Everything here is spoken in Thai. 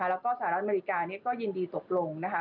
แล้วก็สหรัฐอเมริกาก็ยินดีตกลง